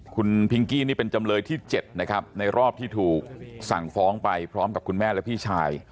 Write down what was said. คุณพิงกี้นี่เป็นจำเลยที่๗นะครับในรอบที่ถูกสั่งฟ้องไปพร้อมกับคุณแม่และพี่ชาย